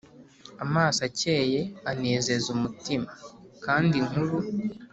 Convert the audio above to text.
Amaso akeye anezeza umutima kandi inkuru